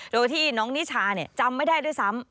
โดยที่น้องนิชาจำไม่ได้ด้วยซ้ำ